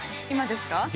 今ですか？